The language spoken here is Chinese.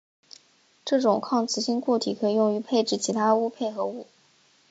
这种抗磁性固体可以用于制备其它钨配合物。